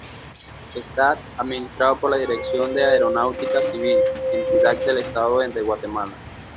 Está administrado por la Dirección de Aeronáutica Civil, entidad del estado de Guatemala.